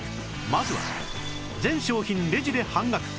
まずは全商品レジで半額半額倉庫